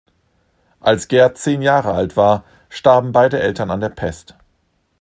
Als Geert zehn Jahre alt war, starben beide Eltern an der Pest.